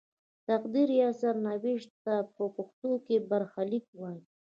تقدیر یا سرنوشت ته په پښتو کې برخلیک وايي.